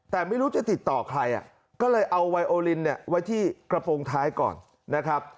แต่ไม่รู้จะติดต่อใครก็เลยเอาไวโอลินเนี่ยไว้ที่กระโปรงท้ายก่อนนะครับ